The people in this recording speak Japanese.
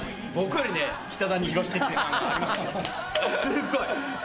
すっごい。